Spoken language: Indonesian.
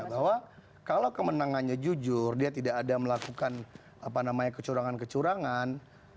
bahwa kalau kemenangannya jujur dia tidak ada melakukan kecurangan kecurangan